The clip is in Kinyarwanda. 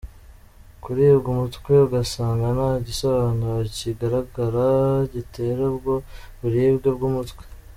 Kuribwa umutwe ugasanga nta gisobanura cyigaragara gitera ubwo buribwe bw’umutwe.